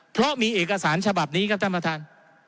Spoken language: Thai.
เพราะมีเอกสารฉบับนี้ครับท่านประธาน